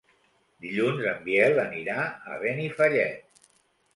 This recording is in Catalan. Dilluns en Biel anirà a Benifallet.